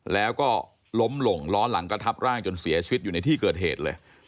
แล้วก็ล้มหลงล้อหลังก็ทับร่างจนเสียชีวิตอยู่ในที่เกิดเหตุเลย